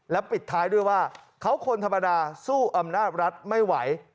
ปิดท้ายด้วยว่าเขาคนธรรมดาสู้อำนาจรัฐไม่ไหว